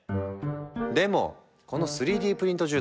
でもこの３Ｄプリント住宅